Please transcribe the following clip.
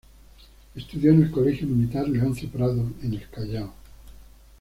Estudió en el Colegio Militar "Leoncio Prado" en el Callao.